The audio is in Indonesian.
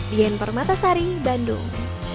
dian parmatasari bandung